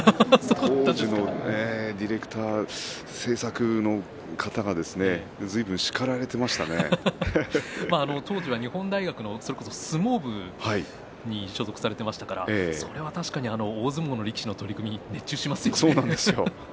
当時のディレクター制作の方が当時は日本大学の相撲部に所属されていましたからそれは確かに大相撲の力士のそうなんですよ。